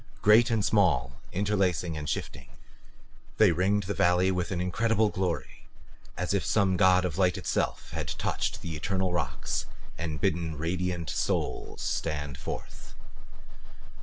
Great and small, interlacing and shifting, they ringed the valley with an incredible glory as if some god of light itself had touched the eternal rocks and bidden radiant souls stand forth.